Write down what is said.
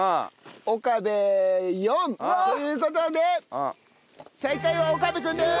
岡部４。という事で最下位は岡部君です。